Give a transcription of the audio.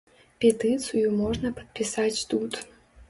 Петыцыю можна падпісаць тут.